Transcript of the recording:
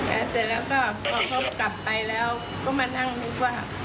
แล้วเสร็จแล้วก็พอเขากลับไปแล้วก็มานั่งนึกว่า